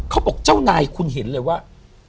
เขาบอกเจ้านายคุณเห็นเลยว่า